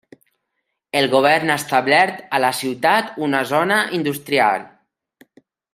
El govern ha establert a la ciutat una zona industrial.